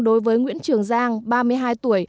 đối với nguyễn trường giang ba mươi hai tuổi